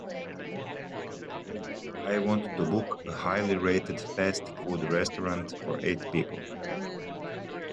I want to book a highly rated fast food restaurant for eight people.